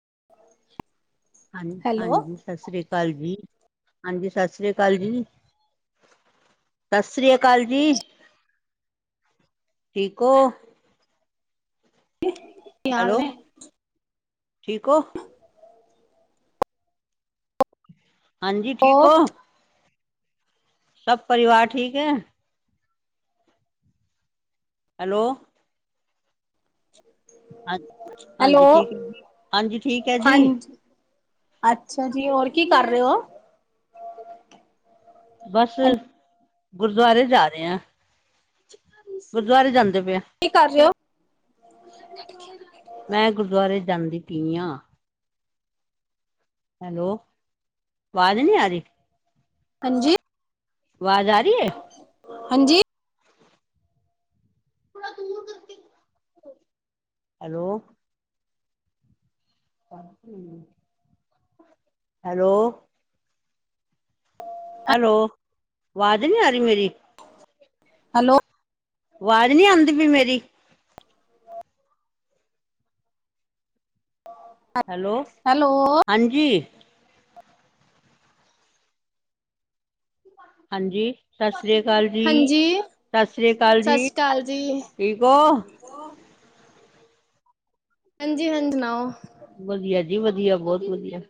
[inaudible] ਹਾਂ ਹੈਲੋ ਹਾਂਜੀ ਸਸ ਹੀ ਕਾਲ ਜੀ। ਹਾਂਜੀ ਸਸ ਰੀ ਅਕਾਲ ਜੀ, ਸਸ ਰੀ ਅਕਾਲ ਜੀ ਠੀਕ ਹੋ। ਹੈਲੋ [unintelligible] ਠੀਕ ਹੋ? [unintelligible] ਹਾਂਜੀ ਠੀਕ ਹੋ? ਸਭ ਪਰਿਵਾਰ ਠੀਕ ਐ। ਹੈਲੋ, ਹਾਂ [unintelligible] ਹੈਲੋ ਹਾਂਜੀ ਠੀਕ ਹੈ ਜੀ ਹਾਂਜੀ ਠੀਕ ਹੈ ਜੀ ਹਾਂਜੀ, ਅੱਛਾ ਜੀ ਹੋਰ ਕੀ ਕਰ ਰਹੇ ਹੋ? ਬਸ ਗੁਰਦੁਆਰੇ ਜਾ ਰਹੇ ਹਾਂ, ਗੁਰਦੁਆਰੇ ਜਾਂਦੇ ਕੀ ਕਰ ਰਹੇ ਹੋ ਮੈਂ ਗੁਰਦੁਆਰੇ ਜਾਂਦੀ ਪਈ ਆਂ। ਹੈਲੋ, ਆਵਾਜ਼ ਨਹੀਂ ਆ ਰਹੀ। ਹਾਂਜੀ, ਆਵਾਜ਼ ਆਰੀ [inaudible] ਹਾਂਜੀ, ਥੋੜਾ ਦੂਰ ਕਰਕੇ ਹੈਲੋ, ਪ [inaudible] ਹੈਲੋ, ਹੈਲੋ ਆਵਾਜ਼ ਨਹੀਂ ਆ ਰਹੀ ਮੇਰੀ। ਹੈਲੋ, ਆਵਾਜ਼ ਨਹੀਂ ਆਦੀਂ ਪਈ ਮੇਰੀ। ਹੈਲੋ, ਹੈਲੋ ਹਾਂਜੀ। ਹਾਂਜੀ, ਸਤਿ ਸ੍ਰੀ ਅਕਾਲ ਜੀ, ਹਾਂਜੀ ਸਤਿ ਸ੍ਰੀ ਅਕਾਲ ਜੀ ਸਤਿ ਸ਼੍ਰੀ ਅਕਾਲ ਜੀ ਠੀਕ ਹੋ? ਹਾਂਜੀ ਹਾਂਜੀ, ਸਨਾਓ। ਵਧੀਆ ਜੀ ਵਧੀਆ ਬਹੁਤ ਵਧੀਆ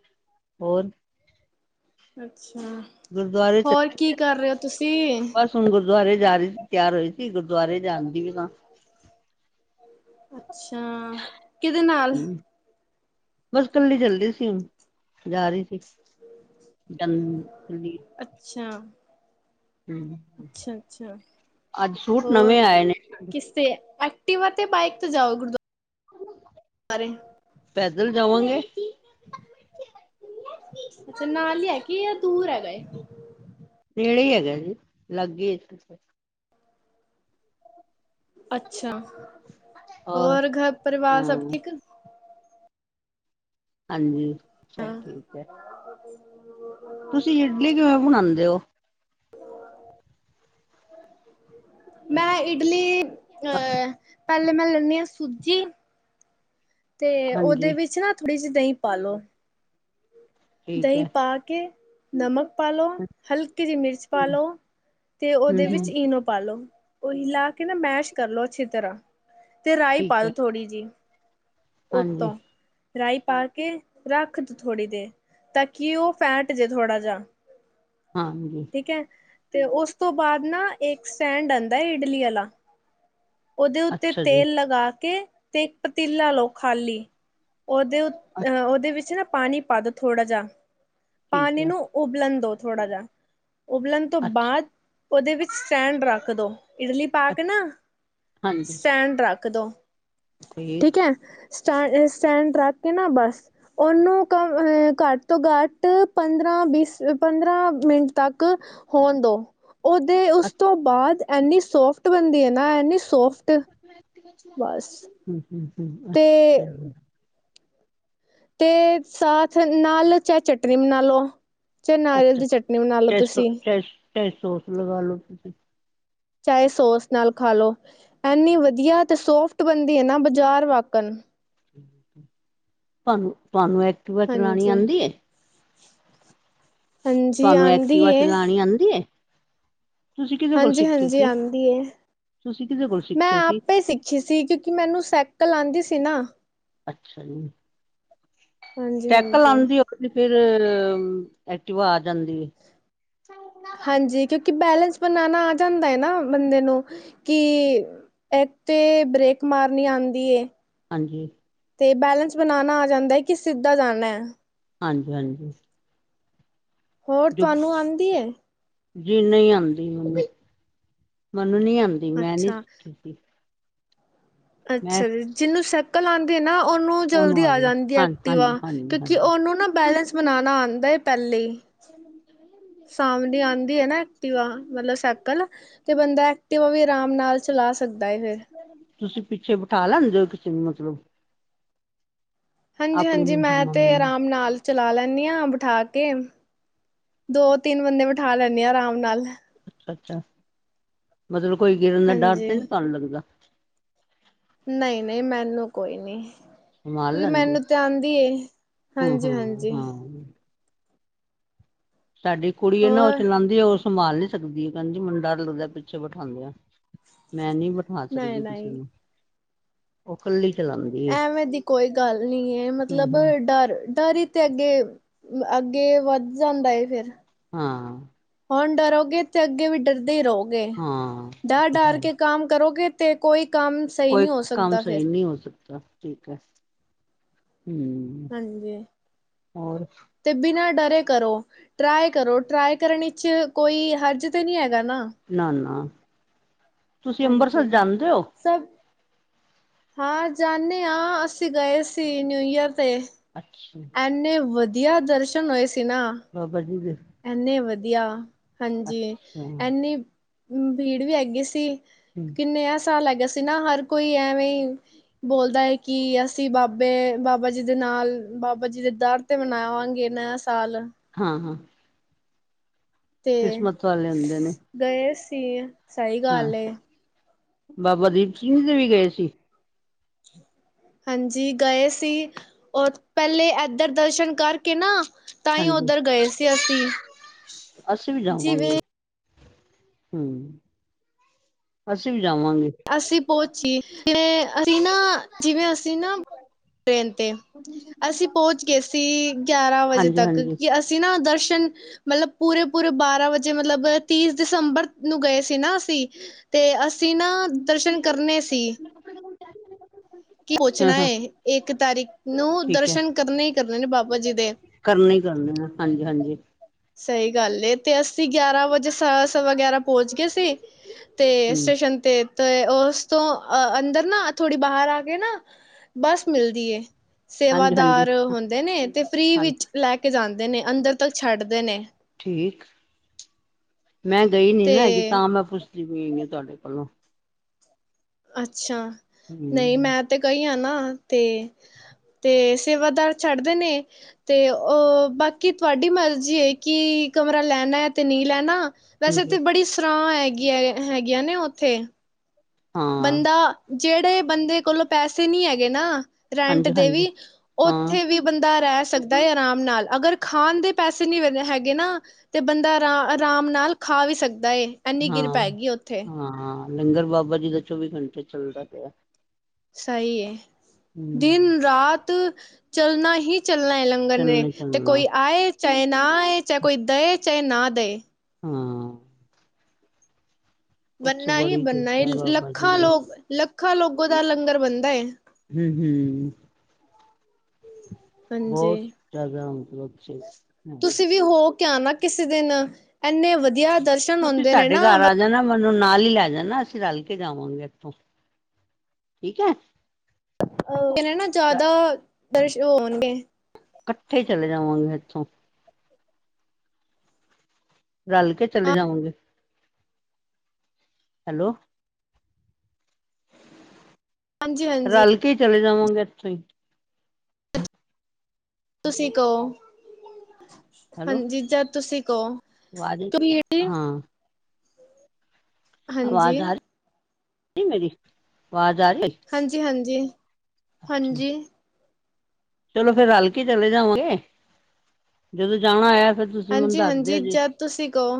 ਹੋਰ? ਅੱਛ ਅੱਛਾ ਗੁਰਦੁਆਰੇ ਹੋਰ ਚੱਲੇ, ਕੀ ਕਰ ਰਹੇ ਹੋ ਤੁਸੀਂ? ਬਸ ਹੁਣ ਗੁਰਦੁਆਰੇ ਜਾ ਰਹੀ ਸੀ, ਤਿਆਰ ਹੋਈ ਸੀ ਗੁਰਦੁਆਰੇ ਜਾਣ ਦੀ ਵੀ ਆ ਅੱਛ ਅੱਛਾ ਕਿਹਦੇ ਨਾਲ? ਹੂੰ, ਬਸ ਕੱਲੀ ਚੱਲ ਰਹੀ ਸੀ, ਜਾ ਰਹੀ ਸੀ। ਦੰ ਅੱਛਾ ਹਂ, ਅੱਛਾ ਅੱਛਾ ਅੱਜ ਸੂਟ ਨਵੇਂ ਆਏ ਨੇਂ। ਟੀ ਵਰ ਤੇ ਬਾਾਈਕ ਤੇ ਜਾਓ ਗੁਰਦੂ ਸਾਰੇ ਇੱਧਰ ਜਾਵਾਂਗੇ। ਅੱਛਾ ਨਾਲ ਹੀ ਹੈਗੀ ਆ, ਦੂਰ ਹੈਗਾ। ਖਹੜੇ ਹੀ ਹੈਗਾ ਜੀ, ਲਾਗੇ ਆ। ਅੱਛਾ ਔਰ ਹੋਰ ਘਰ ਪਰਿਵਾਰ ਸਭ ਹਾਂ। ਠੀਕ। ਹਾਂਜੀ। ਸਭ ਠੀਕ ਐ। [unintelligible] ਤੁਸੀਂ ਇਡਲੀ ਕਿਵੇ ਬਣਾਂਦੇ ਔ? ਮੈਂ ਇਡਲੀ ਅਹ ਪਹਿਲੇ ਮੈਂ ਲੈਂਦੀ ਹਾਂ ਸੂਜੀ। ਤੇ ਹਾਂਜੀ ਉਹਦੇ ਵਿੱਚ ਨਾ ਥੋੜ੍ਹੀ ਜਿਹੀ ਦਹੀਂ ਪਾਲੋ ਠੀਕ ਦਹੀਂ ਹੈ ਪਾ ਕੇ ਨਮਕ ਪਾ ਲੋ, ਹਲਕੀ ਦੀ ਮਿਰਚ ਪਾ ਹਮ ਲੋ, ਤੇ ਉਹਦੇ ਵਿੱਚ ਹਮ ਈਨੋ ਪਾ ਲੋ। ਉਹੀ ਲਾ ਕੇ ਨਾ ਮੈਸ਼ ਕਰਲੋ ਅੱਛੀ ਤਰ੍ਹਾਂ। ਤੇ ਰਾਈ ਪਾ ਠੀਕ ਦੋ ਹੈ ਥੋੜ੍ਹੀ ਜਿਹੀ ਹਾਂਜੀ। ਉੱਤੋਂ ਰਾਈ ਪਾ ਕੇ ਰੱਖ ਤੂ ਥੋੜ੍ਹੀ ਦੇਰ ਤਾਂ ਕਿ ਉਹ ਫੈਟ ਜੇ ਥੋੜ੍ਹਾ ਜਿਆ ਹਾਂਜੀ ਤੇ ਉਸ ਤੋਂ ਬਾਅਦ ਨਾ ਇੱਕ ਸਟੈਂਡ ਆਂਦਾ ਐ ਇਡਲੀ ਵਾਲਾ ਉਹਦੇ ਉੱਤੇ ਅੱਛਾ ਜੀ ਤੇਲ ਲਗਾ ਕੇ, ਤੇ ਇੱਕ ਪਤੀਲਾ ਲਓ ਖਾਲੀ, ਉਹਦੇ ਅ ਅਹ ਉਹਦੇ ਵਿੱਚ ਨਾ ਪਾਣੀ, ਪਾਦੋ ਥੋੜਾ ਜਿਹਾ, ਠੀਕ ਪਾਣੀ ਹੈ ਨੂੰ ਉਬਲ ਦੋ, ਥੋੜਾ ਜਾ, ਉਬਲਣ ਤੋਂ ਅੱਛਾ ਬਾਅਦ ਉਹਦੇ ਵਿੱਚ ਸਟੈਂਡ ਰੱਖ ਦਿਉ ਇਡਲੀ ਪਾ ਕੇ ਅੱਛਾ ਨਾ ਹਾਂਜੀ ਸਟੈਂਡ ਰੱਖ। ਇੱਕਦੋਂ, ਠੀਕ ਹੈ, ਸਟ ਸਟੈਂਡ ਰੱਖ ਕੇ ਨਾ ਬਸ ਉਹਨੂੰ ਕ ਘੱਟ ਤੋਂ ਘੱਟ, ਪੰਦਰਾਂ ਬਸ ਪੰਦਰਾਂ ਮਿੰਟ ਤੱਕ ਹੋਣ ਦੋ, ਉਹਦੇ ਅੱ ਉਸ ਤੋਂ ਬਾਅਦ, ਇੰਨੀ ਸੋਫਟ ਬਣਦੀ ਹੈ ਨਾ ਇੰਨੀ ਸੋਫਟ, ਟ, ਹੂੰ ਹੂੰ ਹਮ ਤੇ ਅੱਛਾ ਤੇ ਸਾਥ ਨਾਲ ਚਾਹੇ ਚਟਨੀ ਬਣਾ ਲਓ ਚਾਹੇ ਨਾਰੀਅਲ ਅੱਛਾ ਦੀ ਚਟਨੀ ਬਣਾ ਲੋ ਚਾਹੇ ਸੋ ਤੁਸੀਂ ਚਾਹੇ ਚਾਹੇ ਸੌਸ ਲਗਾ ਲੋ ਤੁਸੀਂ ਚਾਹੇ ਸੋਸ ਨਾਲ ਖਾ ਲਓ ਐਨੀ ਵਧੀਆ ਤੇ ਸੋਫਟ ਬਣਦੀ ਹੈ ਨਾ ਬਾਜ਼ਾਰ ਵਾਕਨ ਤੁਹਾਨੂੰ ਤੁਹਾਨੂੰ ਇੱਕ ਐਕਟੀਵਾ ਚਲਾਉਣੀ ਹਾਂਜੀ ਆਉਂਦੀ ਐ ਹਾਂਜੀ ਤੁਹਾਨੂੰ ਆਉਂਦੀ ਐਕਟੀਵਾ ਏ ਚਲਾਉਣੀ ਆਉਂਦੀ ਐ ਹਾਂਜੀ ਹਾਂਜੀ ਆਉਂਦੀ ਏ ਤੁਸੀਂ ਕਿਹਦੇ ਕੋਲ ਮੈਂ ਸਿੱਖੇ ਸੀ ਆਪੇ ਸਿੱਖੀ ਸੀ ਕਿਉਂਕਿ ਮੈਨੂੰ ਸਾਈਕਲ ਆਉਂਦੀ ਸੀ ਸੀਨਾ ਅੱਛਾ ਜੀ ਹਾਂਜੀ ਸੈਕਲ ਹਾਂਜੀ ਆਉਂਦੀ ਹੋਂਏ ਤੇ ਫੇਰ ਫੇਰ ਐਕਟਿਵਾ ਆ ਜਾਂਦੀ ਏ [unintelligible] ਕਿ ਬੈਲੇੈਂਸ ਬਣਾਣਾ ਆ ਜਾਂਦਾ ਹੈ ਨਾ ਬੰਦੇ ਨੂੰ ਕਿ ਇੱਕ ਤੇ ਬ੍ਰੇਕ ਮਾਰਨੀ ਆਉਂਦੀ ਏ ਹਾਂਜੀ ਤੇ ਬੈਲੇੈਂਸ ਬਣਾਣਾ ਆ ਜਾਂਦਾ ਹੈ ਕਿ ਸਿੱਧਾ ਜਾਣੈ ਹਾਂਜੀ ਹਾਂਜੀ ਹੋਰ ਤੁਹਾਨੂੰ ਆਉਂਦੀ ਏ ਜਿਨੂੰ ਨਹੀਂ ਆਉਂਦੀ ਮੈਨੂੰ ਨੀ ਆਉਂਦੀ ਮੈਂ ਨੀ ਅੱਛਾ, ਸਿਖੀ ਸੀ ਮੈਂ ਅੱਛਾ ਜੀ ਜਿਹਨੂੰ ਸਾਈਕਲ ਆਉਂਦੀ ਤੇ ਨਾ ਉਹਨੂੰ ਜਲਦੀ ਆ ਆਉਂਦੀ ਜਾਂਦੀ ਹਾਂ ਐਕਟਿਵਾ ਹਾਂਜੀ ਹਾਂਜੀ ਕਿਉਂਕਿ ਹਾਂਜੀ ਉਹਨੂੰ ਨਾ ਬੈਲੈਂਸ ਬਨਾਉਣਾ ਆਂਦਾ ਏ ਪਹਿਲੇ ਹੀ ਸਾਮਣੇ ਆਂਦੀ ਹੈ ਨਾ ਐਕਟੀਵਾ ਮਤਲਬ ਸਾਈਕਲ ਤੇ ਬੰਦਾ ਤੇ ਓ ਵੀ ਆਰਾਮ ਨਾਲ ਚਲਾ ਸਕ ਤੁਸੀਂ ਪਿੱਛੇ ਬਿਠਾ ਲੈਂਦੇ ਹੋ ਕਿਸੇ ਨੂੰ ਮਤਲਬ ਹਾਂਜੀ ਆਪਣੀ ਹਾਂਜੀ ਮੈਂ ਤੇ ਮੰਮੀ ਨੂੰ ਆਰਾਮ ਨਾਲ ਚਲਾ ਲੈਂਦੀ ਹਾਂ ਬਿਠਾ ਕੇ ਦੋ ਤਿੰਨ ਬੰਦੇ ਬਿਠਾ ਲੈਂਦੀ ਆ ਆਰਾਮ ਨਾਲ ਅੱਛਾ ਮਤਲਬ ਕੋਈ ਗਿਰਨ ਦਾ ਡਰ ਹਾਂਜੀ। ਤੇ ਨਹੀਂ ਤੁਹਾਨੂੰ ਲੱਗਦਾ ਨਹੀਂ ਨਹੀਂ ਮੈਨੂੰ ਕੋਈ ਨੀ। ਸੰਭਾਲ ਕਿਉਂਕਿ ਲੈਂਦੇ ਮੈਨੂੰ ਤੇ ਆਂਦੀ ਏ ਹੋ ਹਾਂ ਹਾਂਜੀ ਹਾਂਜੀ ਹਾਂ ਹਾਂ ਸਾਡੀ ਕੁੜੀ ਆ ਨਾ ਉਹ ਹੋਰ ਚਲਾਂਦੀ ਏ ਉਸ ਸੰਭਾਲ ਨੀ ਸਕਦੀ ਹੈ ਕਹਿੰਦੀ ਮੈਨੂੰ ਡਰ ਲੱਗਦਾ ਪਿੱਛੇ ਬਿਠਾਉਂਦੇ ਆ। ਮੈਂ ਨੀ ਬਿਠਾ ਸਕਦੀ ਕਿਸੇ ਨਈ-ਨਈ ਨੂੰ ਉ ਕੱਲੀ ਚਲਾਉਂਦੀ ਏ ਐਵੇਂ ਦੀ ਕੋਈ ਗੱਲ ਨੀ ਏ ਹਮ ਮਤਲਬ ਹਮ ਡਰ ਡਰ ਹੀ ਤੇ ਅੱਗੇ ਅੱਗੇ ਵੱਧ ਜਾਂਦਾ ਏ ਫਿਰ ਹਾਂ ਹੁਣ ਡਰੋਗੇ ਅਤੇ ਅੱਗੇ ਵੀ ਡਰਦੇ ਹੀ ਰਹੋ। ਗੇ ਹਾਂ ਇਹ ਡਰ ਤੇ ਹੈ ਡਰ ਹੀ ਕੇ ਕੰਮ ਕਰੋਗੇ ਤੇ ਕੋਈ ਕੰਮ ਸਹੀ ਕੋਈ ਨਹੀਂ ਹੋ ਕੰਮ ਸਕਦਾ ਸਹੀ ਫਿਰ। ਨਹੀਂ ਹੋ ਸਕਦਾ ਠੀਕ ਏ। ਹਾਂਜੀ ਹੋਰ ਤੇ ਬਿਨਾਂ ਡਰ ਕਰੋ ਟਰਾਈ ਕਰੋ ਟਰਾਈ ਕਰਨ ਵਿੱਚ ਕੋਈ ਹਰਜ਼ ਤੇ ਨਹੀਂ ਹੈ ਨਾ ਨਾ। ਤੁਸੀਂ ਅੰਮਬਰਸਰ ਹਾਂਜੀ ਜਾਂਦੇ ਹੋ? ਸਭ ਹਾਂ ਜਾਂਨੇ ਹਾਂ ਅਸੀਂ ਗਏ ਸੀ। ਨਿਊ ਈਅਰ ਤੇ ਅੱਛਾ ਐਨੇ ਵਧ ਯਾ ਦਰਸ਼ਨ ਹੋਏ ਸੀ। ਬਾਬਾ ਜੀ ਦੇ ਇੰਨੇ ਵਧੀਆ ਹਾਂਜੀ ਅੱਛਾ ਹਮ ਇਨੀ ਭੀੜ ਵੀ ਹੈਗੀ ਸੀ। ਕੀ ਨਯਾ ਸਾਲ ਹੈਗਾ ਸੀ [unintelligible] ਨਾ ਹਰ ਕੋਈ ਐਵੇਂ ਈ ਬੋਲਦਾ ਹੈ ਕਿ ਅਸੀਂ ਬਾਬੇ ਬਾਬਾ ਜੀ ਦੇ ਨਾਲ ਬਾਬਾ ਜੀ ਦੇ ਦਰ ਤੇ ਮਨਾਵਾਂਗੇ ਨਾ ਹਾਂ -ਹਾਂ ਤੇ ਕਿਸਮਤ ਵਾਲੇ ਹੁੰਦੇ ਨੇ। [unintelligible] ਸਹੀ ਹਾਂ ਗੱਲ ਏ। ਬਾਬਾ ਦੀਪ ਸਿੰਘੀ ਦੇ ਵੀ ਗਏ ਸੀ? ਹਾਂਜੀ ਗਏ ਸੀ। ਪਹਿਲੇ ਇਧਰ ਦਰਸ਼ਨ ਕਰਕੇ ਨਾ। ਤਾਂ ਹੀ ਹਾਂਜੀ ਉੱਧਰ ਗਏ ਸੀ ਅਸੀਂ। ਅਸੀਂ ਵੀ ਜਾਵਾਂਗੇ ਜਿਵੇਂ [unintelligible] ਅਸੀਂ [unintelligible] ਜਿਵੇਂ ਅਸੀਂ ਨਾ, ਜਿਵੇਂ ਅਸੀਂ ਨਾ ਟ੍ਰੇਨ ਤੇ, ਅਸੀਂ ਪਹੁੰਚ ਗਏ ਸੀ ਗਿਆਰਾਂ ਵਜੇ ਹਾਂਜੀ ਤੱਕ। ਹਾਂਜੀ ਕਿ ਅਸੀਂ ਨਾ ਦਰਸ਼ਨ ਮਤਲਬ ਪੂਰੇ-ਪੂਰੇ ਬਾਰਾਂ ਵਜੇ ਮਤਲਬ ਤੀਸ ਦਸੰਬਰ ਨੂੰ ਗਏ ਸੀ ਨਾ ਅਸੀਂ, ਤੇ ਅਸੀਂ ਨਾ ਦਰਸ਼ਨ ਕਰਨੇ ਸੀ। ਕੀ ਹਾਂ ਪਹੁਚਣਾ ਹਾਂ ਏ, ਇੱਕ ਤਾਰੀਖ ਨੂੰ ਠੀਕ ਹੈ ਦਰਸ਼ਨ ਕਰਨੇ ਹੀ ਕਰਨੇ ਨੇ ਬਾਬਾ ਜੀ ਦੇ। ਕਰਨੇ ਹੀ ਕਰਨੇ ਨੇ। ਹਾਂਜੀ-ਹਾਂਜੀ ਸਹੀ ਗੱਲ ਏ, ਤੇ ਅਸ ਗਿਆਰਾਂ ਵਜੇ ਸ ਸਵਾ ਗਿਆਰਾਂ [inaudible] ਗਏ ਸੀ, ਤੇ ਹਮ ਸਟੇਸ਼ਨ ਤੇ ਤੇ ਉਸ ਤੋਂ ਅੰਦਰ ਨਾ, ਥੋੜੀ ਬਾਹਰ ਆ ਕੇ ਨਾ, ਬਸ ਮਿਲਦੀ ਏ ਹਾਂਜੀ ਹਾਂਜੀ ਸੇਵਾਦਾਰ ਹੁੰਦੇ ਨੇ ਤੇ ਫ੍ਰਰੀ ਹਾਂਜੀ ਵਿੱਚ ਲੈ ਕੇ ਜਾਂਦੇ ਦੇ ਨੇ ਅੰਦਰ ਤੱਕ ਛੱਡ ਦੇਨੇ ਏਕ ਮੈਂ ਗਈ ਨੀ ਤੇ ਨਾ ਹੈਗੀ, ਤਾਂ ਮੈਂ ਪੁੱਛ [unintelligible] ਤੁਹਾਡੇ ਕੋਲੋਂ ਅੱਛਾ ਨਹੀਂ ਹਮ ਮੈਂ ਤੇ ਗਈ ਆ ਨਾ, ਤੇ ਤੇ ਸੇਵਾਦਾਰ ਛੱਡਦੇ ਨੇ, ਤੇ ਉਹ ਬਾਕੀ ਤੁਹਾਡੀ ਮਰਜ਼ੀ ਏ ਕਿ ਕਮਰਾ ਲੈਣਾ ਹੈ ਤੇ ਨਹੀਂ ਲੈਣਾ। ਵੈਸੇ ਹਾਂਜੀ ਇੱਥੇ ਬੜੀ ਸਰਾਂ ਹੈ ਗੀਆਂ ਹੈਗੀਆਂ ਨੇ ਉੱਥੇ ਹਾਂ ਬੰਦਾ ਜਿਹੜੇ ਬੰਦੇ ਕੋਲੋਂ ਪੈਸੇ ਨੀ ਹੈਗੇ ਨਾ, ਰੈਂਟ ਹਾਂਜੀ ਤੇ ਹਾਂਜੀ ਵੀ ਹਾਂ ਉੱਥੇ ਵੀ ਬੰਦਾ ਰਹਿ ਸਕਦਾ ਹੈ ਆਰਾਮ ਨਾਲ, ਅਗਰ ਖਾਣ ਦੇ ਪੈਸੇ ਨਹੀਂ ਹੈਗੇ ਨਾ, ਤੇ ਬੰਦਾ ਆਰਾ ਆਰਾਮ ਨਾਲ ਖਾ ਵੀ ਸਕਦਾ। ਏ, ਐੰਨੀ ਕਿਰਪਾ ਹਾਂ ਹੈਗੀ ਉੱਥੇ। ਹਾਂ ਲੰਗਰ ਬਾਬਾ ਜੀ ਦਾ ਚੌਵੀ ਘੰਟੇ ਚੱਲਦਾ ਪਿਆ। ਸਹੀ ਹੈ। ਹਮ ਦਿਨ-ਰਾਤ ਤੁ ਚੱਲਣਾ ਹੀ ਚੱਲਣਾ ਏ ਲੰਗਰ ਨੇ, ਚੱਲਣਾ ਤੇ ਚੱਲਣਾ ਕੋਈ ਆਏ ਚਾਇ ਨਾਂ ਆਏ, ਚਾਏ ਕੋਈ ਦਏ ਚਾਏ ਨਾ ਦੇਏ ਹਾਂ ਉੱਥੇ ਬਣਨਾ ਹੀ ਬੜੀ ਬਣਨਾ ਹੈ, ਕਿਰਪਾ ਬਾਬਾ ਜੀ ਲੱਖਾਂ ਦੀ ਲੋਕ ਲੱਖ ਲੱਖਾਂ ਲੋਗੋ ਦਾ ਲੰਗਰ ਬਣਦਾ ਏ। ਜੀ ਈ ਬਹੁਤ ਹਾਂਜੀ ਜ਼ਿਆਦਾ [unintelligible] ਤੁਸੀਂ ਵੀ ਹੋ। ਤੇ ਆਨਾ ਕਿਸੇ ਦਿਨ, ਏਨੇ ਵਧੀਆ ਕੇ ਤੁਸੀਂ ਸਾਡੇ ਘਰ ਆ ਜਾਣਾ ਮੈਨੂੰ ਨਾਲ ਹੀ ਲੈ ਜਾਣਾ ਅਸੀਂ ਰਲ ਕੇ ਜਾਵਾਂਗੇ ਇੱਥੋਂ, ਠੀਕ ਹੈ। ਐਨੇਨਾ ਜ਼ਿਆਦਾ ਦਰਸ਼ਨ ਹੋਣਗੇ ਇਕੱਠੇ ਚਲੇ ਜਾਵਾਂਗੇ ਇੱਥੋਂ। ਰਲ ਕੇ ਚਲੇ ਜਾਵਾਂਗੇ। ਹੈਲੋ ਹਾਂਜੀ ਹਾਂਜੀ ਰਲ ਕੇ ਚਲੇ ਜਾਵਾਂਗੇ ਏਥੋਈ। ਤੁਸੀਂ ਕਹੋ। ਹੈਲੋ ਹਾਂਜੀ ਜਦ ਤੁਸੀਂ ਕਹੋ ਆਵਾਜ਼ ਤੁ [unintelligible] ਹਾਂ ਹਾਂਜੀ ਆਵਾਜ਼ ਆ ਮੇਰੀ ਆਵਾਜ਼ ਆ ਰਹੀ ਹਾਂਜੀ ਹਾਂਜੀ ਅੱਛਾ ਹਾਂਜੀ ਚਲੋ ਫੇਰ ਰਲ ਕੇ ਚਲੇ ਜਾਵਾਂਗੇ, ਜਦੋਂ ਜਾਣਾ ਹੋਇਆ ਫਿਰ ਤੁਸੀਂ ਮੈਨੂੰ ਹਾਂਜੀ ਦੱਸ ਹਾਂਜੀ ਦਿਓ ਜੀ ਜਦ ਤੁਸੀਂ ਕਹੋ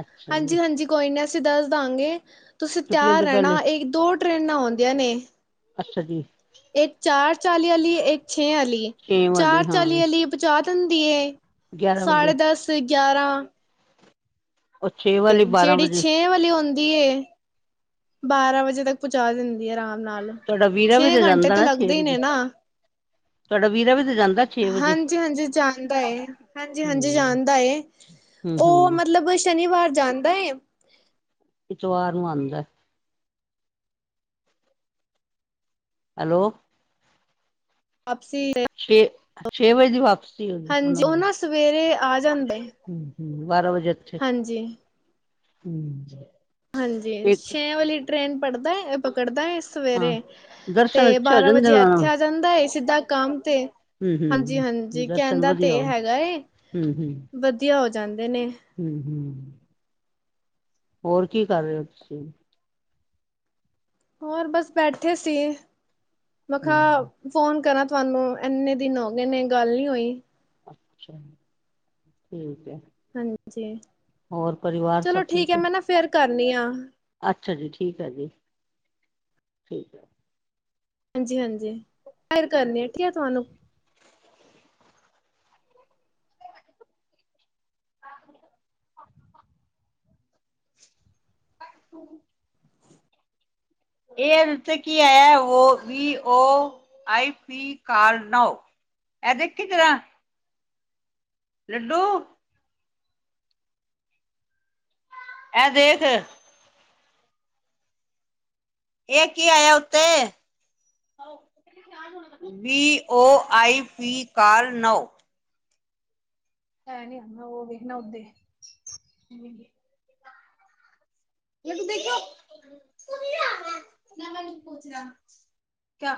ਅੱਛਾ ਜੀ ਹਾਂਜੀ ਹਾਂਜੀ ਕੋਈ ਨਾ ਅਸੀਂ ਦੱਸ ਦਾਂਗੇ ਤੁਸੀਂ ਛੁੱਟੀਆਂ ਤਿਆਰ ਤੋਂ ਪਹਿਲੇ ਰੈਣਾ ਇਹ ਦੋ ਟ੍ਰਰੇਨਾਂ ਆਉਂਦੀਆਂ ਨੇ ਅੱਛਾ ਜੀ ਇੱਕ ਚਾਰ ਚਾਲੀ ਲਈ ਇੱਕ ਛੇ ਵਾਲੀ ਏ ਛੇ ਚਾਰ ਵਾਲੀ ਹਾਂ ਚਾਲੀ ਵਾਲੀ ਪਹੁੰਚਾ ਦੇਂਦੀਏ ਗਿਆਰਾਂ ਸਾਢੇ ਵਜੇ ਦਸ ਗਿਆਰਾਂ [unintelligible] ਉਹ ਛੇ ਵਾਲੀ ਬਾਰਾਂ ਜਿਹੜੀ ਵਜੇ ਛੇ ਵਾਲੀ ਹੁੰਦੀ ਏ। ਬਾਰਾਂ ਵਜੇ ਤੱਕ ਪਹੁੰਚਾ ਦਿੰਦੀ ਏ ਆਰਾਮ ਨਾਲ ਤੁਹਾਡਾ ਵੀਰਾ ਛੇ ਵੀ ਘੰਟੇ ਜਾਂਦਾ ਤੇ ਨਾ ਛੇ ਲੱਗਦੇ ਹੀ ਵਜੇ ਨੇ ਨਾ, ਤੁਹਾਡਾ ਵੀਰਾ ਵੀ ਤੇ ਜਾਂਦਾ ਛੇ ਵਜੇ ਹਾਂਜੀ ਹਾਂਜੀ ਜਾਣਦਾ ਏ, ਹਾਂਜੀ ਹਾਂਜੀ ਹੂੰ ਜਾਣਦਾ ਏ, ਹੂੰ ਉਹ ਹੂੰ ਮਤਲਬ ਸ਼ਨੀਵਾਰ ਜਾਂਦਾ ਏ। ਇਤਵਾਰ ਨੂੰ ਆਉਂਦਾ। ਹੈਲੋ। ਵਾਪਸੀ ਛੇ ਛੇ ਵਜੇ ਦੀ ਵਾਪਸੀ ਹੁੰਦੀ ਹਾਂਜੀ ਉਹਨਾਂ ਉਹ ਦੀ ਨਾ ਸਵੇਰੇ ਆ ਜਾਂਦਾ। ਏ ਬਾਰਾਂ ਵਜੇ ਉਥੇ ਹਾਂਜੀ। ਹੂੰ ਜੀ ਹਾਂਜੀ, ਛੇ ਵਾਲੀ ਟ੍ਰੇਨ ਪੜਦਾ ਪਕੜਦਾ ਏ ਹਾਂ ਸਵੇਰੇ, ਦਰਸ਼ਨ ਤੇ ਅੱਛੇ ਹੋ ਬਾਰਾਂ ਜਾਂਦੇ ਵਜੇ ਉਹਨਾਂ ਇੱਥੇ ਨਾਲ ਆ ਜਾਂਦਾ ਏ। ਸਿੱਧਾ ਕੰਮ ਤੇ ਹੂੰ ਹਾਂਜੀ ਹੂੰ ਹਾਂਜੀ, ਦਰਸ਼ਨ ਕਹਿੰਦਾ ਵਧੀਆ ਤੇ ਇਹ ਹੋ ਹੈਗਾ ਏ ਹੂੰ ਹੂੰ ਵਧੀਆ ਹੋ ਜਾਂਦੇ ਨੇ ਹੂੰ ਹੂੰ। ਹੋਰ ਕੀ ਕਰ ਰਹੇ ਹੋ ਤੁਸੀਂ? ਹੋਰ ਬਸ ਬੈਠੇ ਸੀ। ਹੂੰ ਫੋਨ ਕਰਾ ਤੁਹਾਨੂੰ ਇੰਨੇ ਦਿਨ ਹੋ ਗਏ ਨੇ ਗੱਲ ਨੀ ਹੋਈ। ਅੱਛਾ ਠੀਕ ਐ। ਹਾਂਜੀ, ਚਲੋ ਠੀਕ ਹੈ ਮੈਂ ਨਾ ਫੇਰ ਕਰ ਕਰ [unintelligible] ਦੀ ਆ। ਅੱਛਾ ਜੀ, ਠੀਕ ਆ ਜੀ, ਠੀਕ ਆ। ਹਾਂਜੀ- ਹਾਂਜੀ, ਫੇਰ ਕਰਨੀ ਕੀ ਆ ਤੁਹਾਨੂੰ। [inaudible] ਇਹ ਹੁਨ ਇੱਥੇ ਕੀ ਆਇਆ, ਓ ਵੀ ਓ ਆਈ ਪੀ ਕਾਰ ਨਾਉ, ਇਹ ਦੇਖੀ ਜਰਾ। ਲੱਡੂ ਇਹ ਦੇਖ- ਇਹ ਕੀ ਆਇਆ ਉੱਤੇ, [unintelligible] ਵੀ ਓ ਆਈ ਪੀ ਕਾਰ ਨੌ। ਹੈ ਨੀ [unintelligible] ਉਹ ਵੇਖਣਾ ਉੱਤੇ [unintelligible]